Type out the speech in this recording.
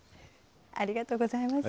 ありがとうございます。